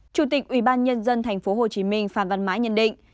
chủ tịch ubnd tp hcm phạm văn mãi nhận định